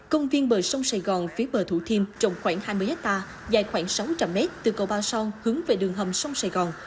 công viên bờ sông sài gòn phía bờ thủ thiêm trồng khoảng hai mươi hectare dài khoảng sáu trăm linh mét từ cầu ba son hướng về đường hầm sông sài gòn